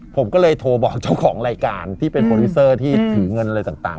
ผมก็เลยโทรบอกเจ้าของรายการที่เป็นโปรดิวเซอร์ที่ถือเงินอะไรต่าง